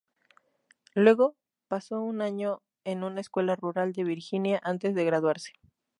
Luego pasó un año en una escuela rural de Virginia antes de graduarse.